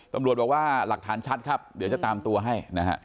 ตัวมรวบว่าหลักฐานชัดครับเดี๋ยวจะตามตัวให้